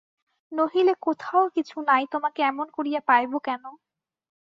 নহিলে কোথাও কিছু নাই তোমাকে এমন করিয়া পাইব কেন?